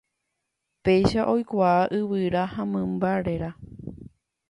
Péicha oikuaa yvyra ha mymba réra.